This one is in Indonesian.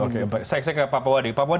oke oke saya ke papua